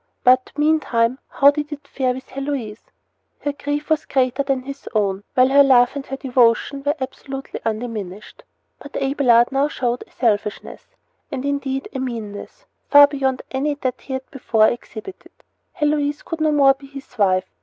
But, meantime, how did it fare with Heloise? Her grief was greater than his own, while her love and her devotion were absolutely undiminished. But Abelard now showed a selfishness and indeed, a meanness far beyond any that he had before exhibited. Heloise could no more be his wife.